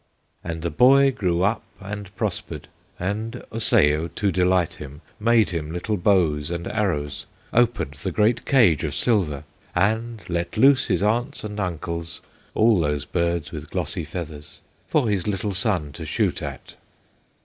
"And the boy grew up and prospered, And Osseo, to delight him, Made him little bows and arrows, Opened the great cage of silver, And let loose his aunts and uncles, All those birds with glossy feathers, For his little son to shoot at.